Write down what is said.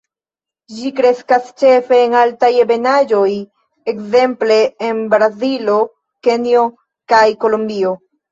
Ĝi kreskas ĉefe en altaj ebenaĵoj, ekzemple, en Brazilo, Kenjo kaj Kolombio.